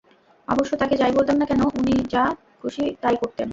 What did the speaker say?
অবশ্য তাকে যাই বলতাম না কেন, উনি যা খুশি তাই করতেন।